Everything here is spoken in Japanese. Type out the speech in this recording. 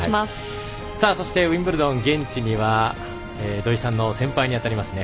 さあ、そしてウィンブルドン現地には土居さんの先輩に当たりますね